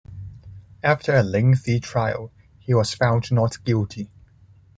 After a lengthy trial, he was found not guilty.